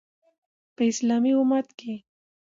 په اسلامي امت کې